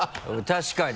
確かに。